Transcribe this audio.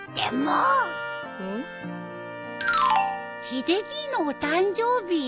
ヒデじいのお誕生日？